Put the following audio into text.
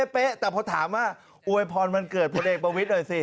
เป๊ะแต่พอถามว่าอวยพรวันเกิดผลเอกประวิทย์หน่อยสิ